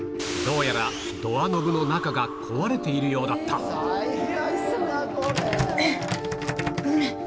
どうやらドアノブの中が壊れているようだったえっん！